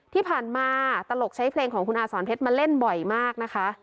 ที่ผ่านมาตลกใช้เพลงของคุณอาสอนเพชรมาเล่นบ่อยมากนะคะ